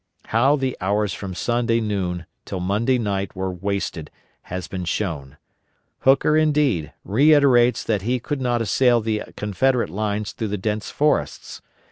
How the hours from Sunday noon till Monday night were wasted has been shown. Hooker, indeed, reiterates that he could not assail the Confederate lines through the dense forests.